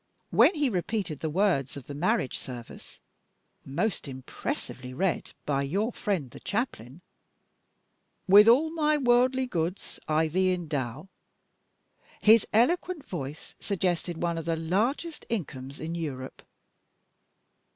When he repeated the words of the marriage service (most impressively read by your friend the Chaplain): 'With all my worldly goods I thee endow' his eloquent voice suggested one of the largest incomes in Europe.